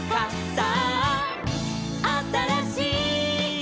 「さああたらしい」